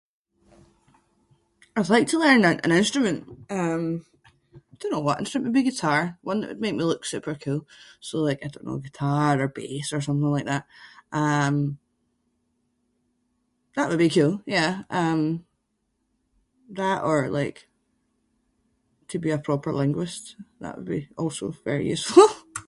I would like to learn a- an instrument. Um, I don’t know what instrument, maybe guitar. One that would make me look super cool, so like I don’t know, a guitar or bass or something like that. Um, that would be cool, yeah. Um, that or like to be a proper linguist. That would be also very useful.